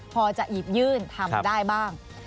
พอจะหยิบยื่นทำได้บ้าง